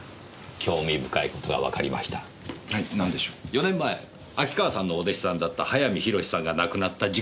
４年前秋川さんのお弟子さんだった早見浩さんが亡くなった事故の調書です。